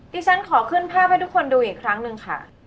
ดิฉันขอขึ้นภาพให้ทุกคนดูอีกครั้งหนึ่งค่ะ